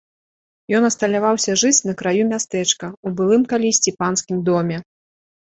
Ён асталяваўся жыць на краю мястэчка ў былым калісьці панскім доме.